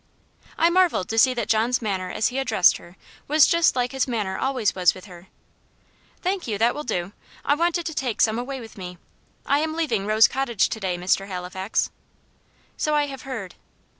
I marvelled to see that John's manner as he addressed her was just like his manner always with her. "Thank you that will do. I wanted to take some away with me I am leaving Rose Cottage to day, Mr. Halifax." "So I have heard."